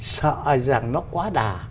sợ rằng nó quá đà